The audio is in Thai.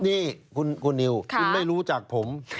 นี่คุณนิวคุณไม่รู้จักผม